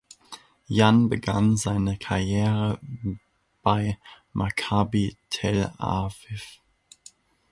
Jan begann seine Karriere bei Maccabi Tel Aviv.